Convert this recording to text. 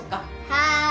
はい。